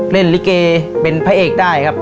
เล่นลิเกเป็นพระเอกได้ครับ